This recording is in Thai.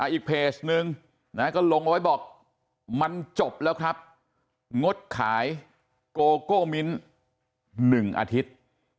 อีกเพจนึงก็ลงเอาไว้บอกมันจบแล้วครับงดขายโกโก้มิ้น๑อาทิตย์